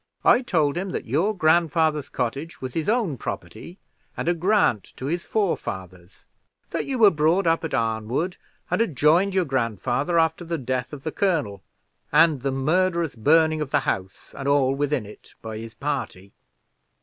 I told him that your grandfather's cottage was his own property, and a grant to his forefathers; that you were brought up at Arnwood, and had joined your grandfather after the death of the colonel, and the murderous burning of the house and all within it by his party.